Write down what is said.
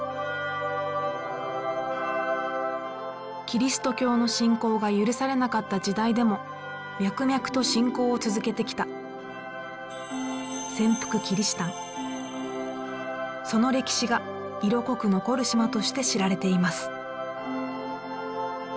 キリスト教の信仰が許されなかった時代でも脈々と信仰を続けてきたその歴史が色濃く残る島として知られています。